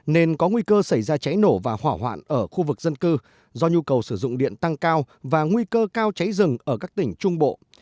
nên có nguy cơ xảy ra cháy nổ và hỏa hoạn ở khu vực dân cư do nhu cầu sử dụng điện tăng cao và nguy cơ cao cháy rừng ở các tỉnh trung bộ